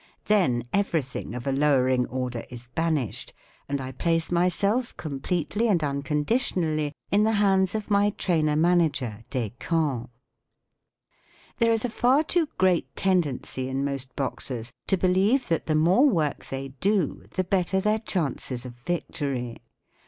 Then everything of a lowering order is banished, and I place myself completely and unconditionally in the hands of my trainer manager, Descamps* There is a far too great tendency in most boxers to believe that the more work they do the better their chances of victory.